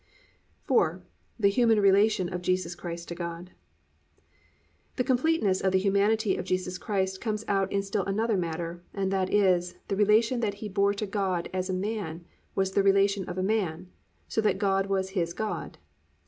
IV. THE HUMAN RELATION OF JESUS CHRIST TO GOD The completeness of the humanity of Jesus Christ comes out in still another matter, and that is, the relation that He bore to God as a man was the relation of a man, so that God was His God.